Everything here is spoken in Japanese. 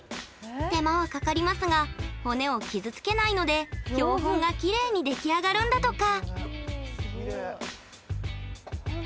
手間はかかりますが骨を傷つけないので、標本がきれいに出来上がるんだとか。